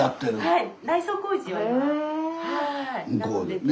はい。